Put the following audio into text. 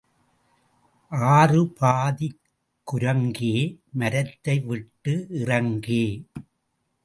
ஆறு பாதிக் குரங்கே, மரத்தை விட்டு இறங்கே.